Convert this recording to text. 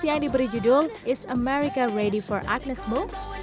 yang diberi judul is america ready for agnes mo